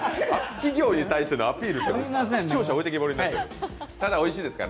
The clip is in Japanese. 企業に対してのアピール、視聴者が置いてきぼりになっちゃいますから。